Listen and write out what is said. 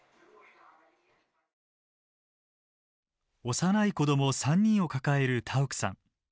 幼い子ども３人を抱えるタウクさん。